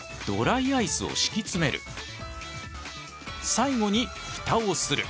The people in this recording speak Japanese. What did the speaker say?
最後に蓋をする。